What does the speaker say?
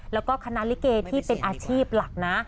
แล้วก็คณะลิเกที่เป็นอาชีพหลักนะ